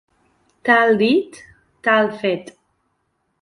Tal dit, tal fet.